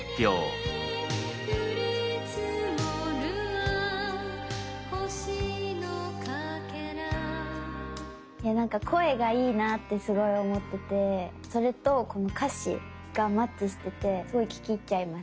「降りつもるわ星の破片」なんか声がいいなってすごい思っててそれとこの歌詞がマッチしててすごい聴き入っちゃいます。